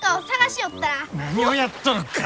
何をやっとるか！